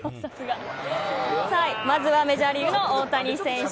まずはメジャーリーグの大谷選手。